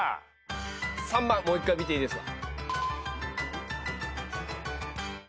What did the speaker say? ３番もう一回見ていいですか？